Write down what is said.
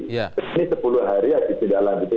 ini sepuluh hari tidak lanjuti